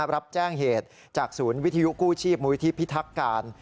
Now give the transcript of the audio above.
รับแจ้งเหตุจากศูนย์วิทยุกู้ชีพมูลิธิพิทักการ